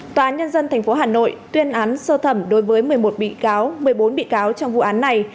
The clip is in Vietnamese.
tòa án nhân dân tp hà nội tuyên án sơ thẩm đối với một mươi một bị cáo một mươi bốn bị cáo trong vụ án này